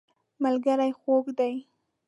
ملګری خوږ دی.